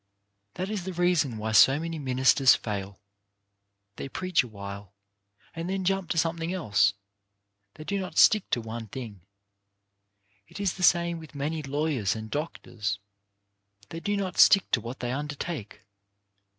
That is the reason why so many ministers fail. They preach awhile, and then jump to something else. They do not stick to one thing. It is the same with many lawyers and doctors. They do not stick to what they undertake.